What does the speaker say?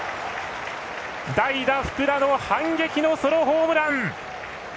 代打、福田の反撃のソロホームラン。